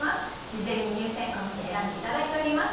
事前に入選歌を見て選んで頂いております。